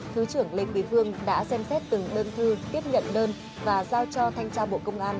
thứ trưởng lê quý vương đã xem xét từng đơn thư tiếp nhận đơn và giao cho thanh tra bộ công an